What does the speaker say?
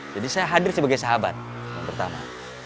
jadi saya hadir sebagai sahabat yang pertama